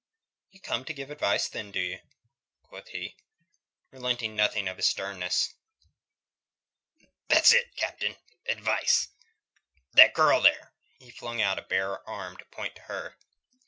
"You come to give advice, then, do you?" quoth he, relenting nothing of his sternness. "That's it, Captain; advice. That girl, there." He flung out a bare arm to point to her.